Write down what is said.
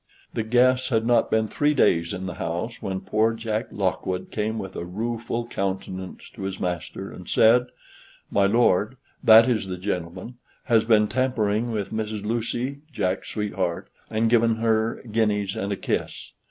The guests had not been three days in the house when poor Jack Lockwood came with a rueful countenance to his master, and said: "My Lord that is the gentleman has been tampering with Mrs. Lucy (Jack's sweetheart), and given her guineas and a kiss."